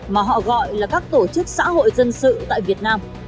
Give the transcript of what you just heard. mà họ gọi là các tổ chức xã hội dân sự tại việt nam